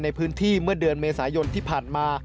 ในพื้นที่เมื่อเดือนเมษายนที่ผ่านมา